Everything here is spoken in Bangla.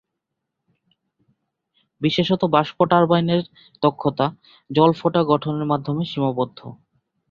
বিশেষত, বাষ্প টারবাইন এর দক্ষতা জল-ফোঁটা গঠনের মাধ্যমে সীমাবদ্ধ।